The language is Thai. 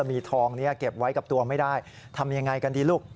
มีทองนี้เก็บไว้กับตัวไม่ได้ทำยังไงกันดีลูก